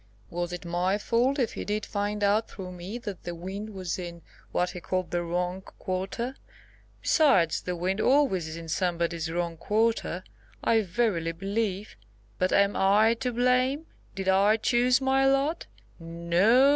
Was it my fault if he did find out through me that the wind was in, what he called, the wrong quarter? Besides, the wind always is in somebody's wrong quarter, I verily believe! But am I to blame? Did I choose my lot? No, no!